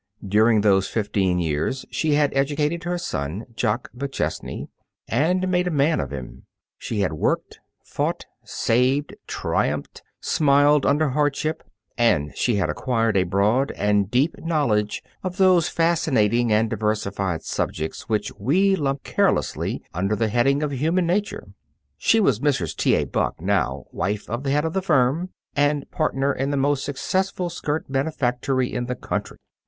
During those fifteen years she had educated her son, Jock McChesney, and made a man of him; she had worked, fought, saved, triumphed, smiled under hardship; and she had acquired a broad and deep knowledge of those fascinating and diversified subjects which we lump carelessly under the heading of Human Nature. She was Mrs. T. A. Buck now, wife of the head of the firm, and partner in the most successful skirt manufactory in the country.